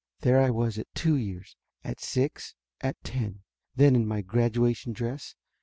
There I was at two years, at six, at ten. Then in my graduation dress.